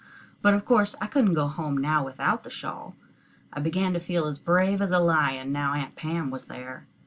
But of course I couldn't go home now without the shawl. I began to feel as brave as a lion now Aunt Pam was there.